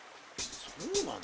そうなの？